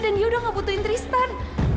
dan dia udah nggak butuhin tristan